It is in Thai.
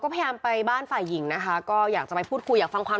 พยายามไปบ้านฝ่ายหญิงนะคะก็อยากจะไปพูดคุยอยากฟังความ